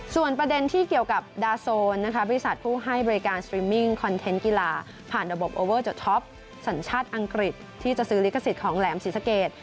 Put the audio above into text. ส่วนประเด็นที่เกี่ยวกับดาโซนบริษัทผู้ให้บริการสตรีมมิ่งคอนเทนต์กีฬาผ่านระบบโอเวอร์เจอร์ท็อปสัญชาติอังกฤษที่จะซื้อลิขสิทธิ์ของแหลมศรีสะเกด